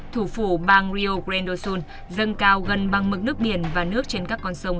thủ phủ bang rio grande do sul dâng cao gần bằng mực nước biển và nước trên các con sông